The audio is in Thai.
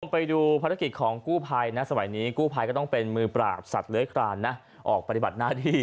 ไปดูภารกิจของกู้ภัยนะสมัยนี้กู้ภัยก็ต้องเป็นมือปราบสัตว์เลื้อยคลานนะออกปฏิบัติหน้าที่